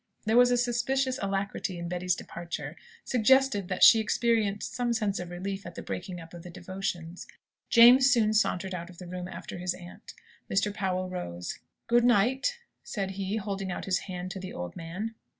There was a suspicious alacrity in Betty's departure, suggestive that she experienced some sense of relief at the breaking up of the devotions. James soon sauntered out of the room after his aunt. Mr. Powell rose. "Good night," said he, holding out his hand to the old man.